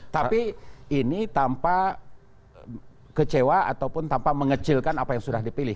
tapi ini tanpa kecewa ataupun tanpa mengecilkan apa yang sudah dipilih